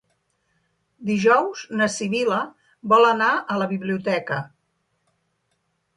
Dijous na Sibil·la vol anar a la biblioteca.